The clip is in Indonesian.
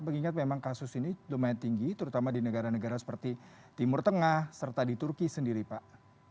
mengingat memang kasus ini lumayan tinggi terutama di negara negara seperti timur tengah serta di turki sendiri pak